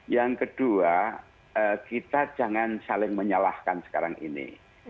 yang kedua kita jangan saling menyalahkan sekarang ini